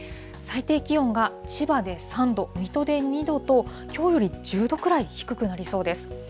最低気温が千葉で３度、水戸で２度と、きょうより１０度くらい低くなりそうです。